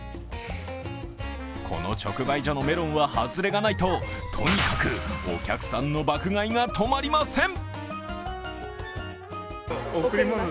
この直売所のメロンは外れがないととにかくお客さんの爆買いが止まりません。